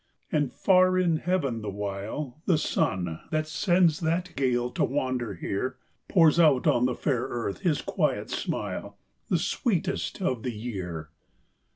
And far in heaven, the while, The sun, that sends that gale to wander here, Pours out on the fair earth his quiet smile, The sweetest of the year.